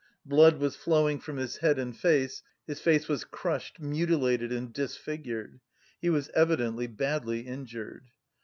Blood was flowing from his head and face; his face was crushed, mutilated and disfigured. He was evidently badly injured.